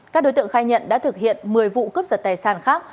các đối tượng khai nhận đã thực hiện một mươi vụ cướp giật tài sản khác